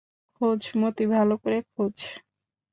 খোঁজ মতি, ভালো করে খোঁজ।